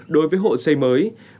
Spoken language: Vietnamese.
đối với hộ xây mới